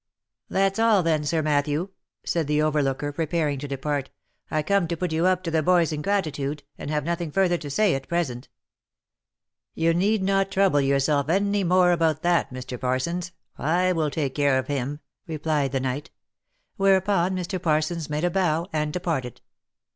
That's all, then Sir Matthew," said the overlooker, preparing to depart. " I cotn'd to put you up to the boys ingratitude, and have nothing further to say at present." " You need not trouble yourself any more about that, Mr. Parsons. I will take care of him," replied the knight. Whereupon Mr. Parsons made a bow, and departed.